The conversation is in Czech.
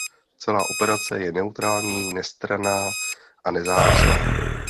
Celá operace je neutrální, nestranná a nezávislá.